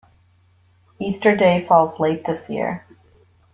Easter Day falls late this year